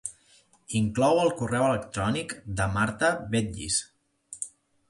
Inclou el correu electrònic de Marta Vetlliç.